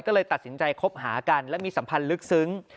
ก็เลยตัดสินใจคบหากันและมีสัมพันธ์ลึกซึ้ง